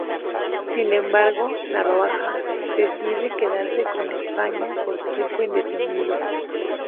Sin embargo, Narvaja decide quedarse en España por tiempo indefinido.